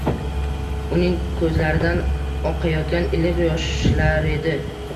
Uning ko‘zlaridan oqayotgan iliq yoshlaredi